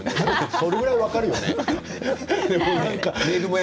それぐらいはあるよね。